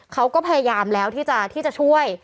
เขาก็พยายามแล้วที่จะช่วย